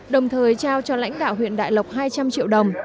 đồng thời trao cho lãnh đạo huyện đại lộc hai trăm linh triệu đồng